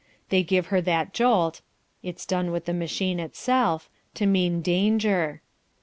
They give her that jolt (it's done with the machine itself) to mean danger.